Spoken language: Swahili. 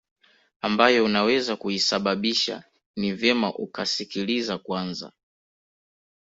ambayo unaweza kuisababisha ni vyema ukasikiliza Kwanza